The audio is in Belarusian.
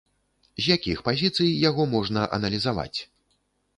З якіх пазіцый яго можна аналізаваць?